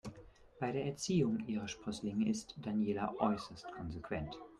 Bei der Erziehung ihrer Sprösslinge ist Daniela äußerst konsequent.